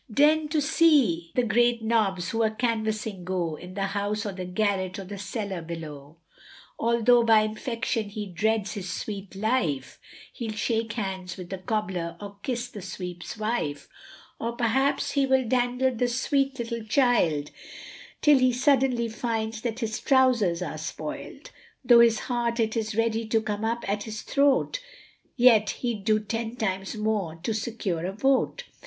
Then to see the great nobs, who a canvassing go, In the house, or the garret, or the cellar below, Altho' by infection he dreads his sweet life, He'll shake hands with the cobbler or kiss the sweep's wife, Or perhaps he will dandle the sweet little child, Till he suddenly finds that his trowsers are spoiled, Tho' his heart it is ready to come up at his throat, Yet he'd do ten times more to secure a vote.